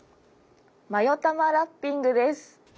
「マヨたまラッピング」です。